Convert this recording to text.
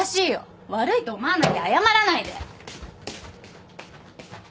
悪いと思わなきゃ謝らないで。